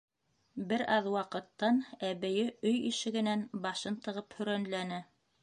Бер аҙ ваҡыттан әбейе өй ишегенән башын тығып һөрәнләне: